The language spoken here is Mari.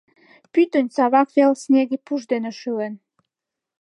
Пӱтынь Савак вел снеге пуш дене шӱлен.